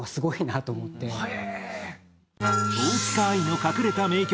大塚愛の隠れた名曲